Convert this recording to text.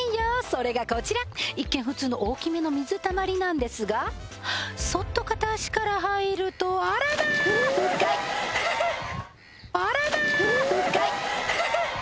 それがこちら一見普通の大きめの水溜まりなんですがそっと片足から入るとあらら深いえーっ